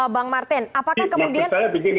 bang martin apakah kemudian